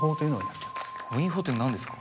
母音法って何ですか？